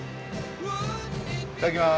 いただきます！